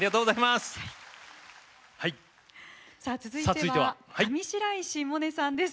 続いては上白石萌音さんです。